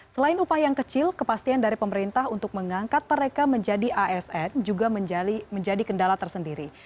selain upah yang kecil kepastian dari pemerintah untuk mengangkat mereka menjadi asn juga menjadi kendala tersendiri